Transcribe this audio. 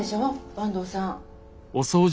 坂東さん。